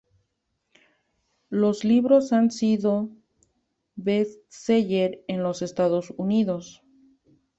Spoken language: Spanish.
Los libros han sido best-seller en los Estados Unidos.